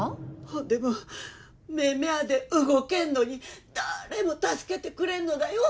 ほんでも目みゃあで動けんのに誰も助けてくれんのだよ